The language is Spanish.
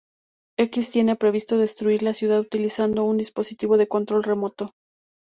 X tiene previsto destruir la ciudad utilizando un dispositivo de control remoto.